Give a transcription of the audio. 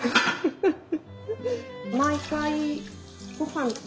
フフフ。